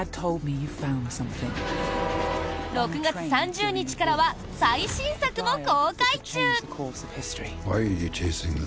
６月３０日からは最新作も公開中！